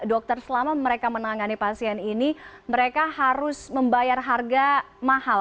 dokter selama mereka menangani pasien ini mereka harus membayar harga mahal